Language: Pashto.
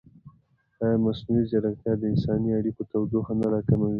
ایا مصنوعي ځیرکتیا د انساني اړیکو تودوخه نه راکموي؟